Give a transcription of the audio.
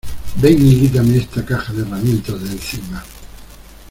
¡ Ven y quítame esta caja de herramientas de encima!